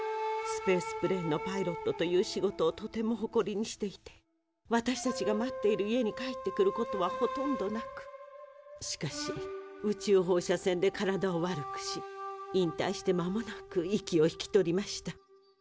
スペースプレーンのパイロットという仕事をとてもほこりにしていて私たちが待っている家に帰ってくることはほとんどなくしかし宇宙放射線で体を悪くし引退してまもなく息を引き取りました。